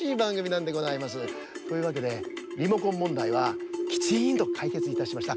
というわけでリモコンもんだいはきちんとかいけついたしました。